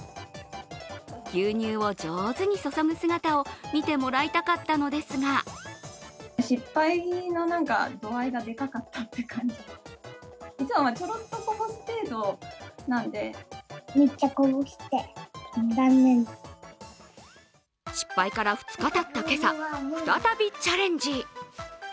牛乳を上手に注ぐ姿を見てもらいたかったのですが失敗から２日たった今朝再びチャレンジ。